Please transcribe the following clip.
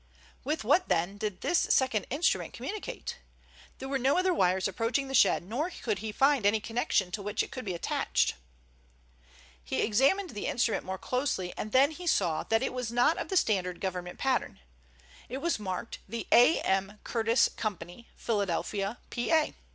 With what, then, did this second instrument communicate? There were no other wires approaching the shed, nor could he find any connection to which it could be attached. He examined the instrument more closely, and then he saw that it was not of the standard government pattern. It was marked "The A. M. Curtiss Co., Philadelphia, Pa."